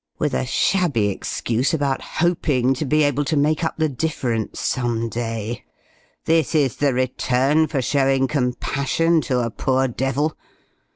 with a shabby excuse about hoping to be able to make up the difference some day: this is the return for showing compassion to a poor devil!